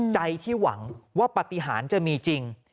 ใจที่หวังว่าปฏิหารจะมีจริง